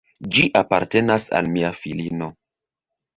Ĝi apartenas al mia filino.